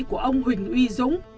của ông huỳnh uy dũng